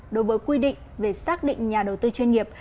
đối với quy định về xác định nhà đầu tư chuyên nghiệp